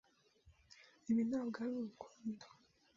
Ibi ntabwo ari urukundo.